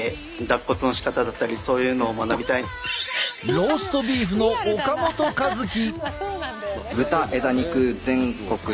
ローストビーフの岡本一希。